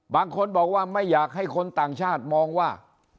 บางคนบอกว่าไม่อยากให้คนต่างชาติมองว่า